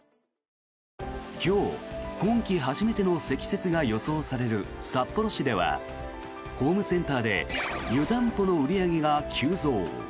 今日、今季初めての積雪が予想される札幌市ではホームセンターで湯たんぽの売り上げが急増。